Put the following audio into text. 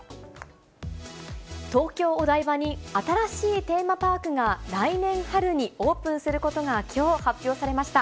東京・お台場に新しいテーマパークが、来年春にオープンすることがきょう発表されました。